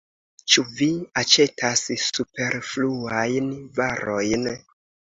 Ĉu vi aĉetas superfluajn varojn?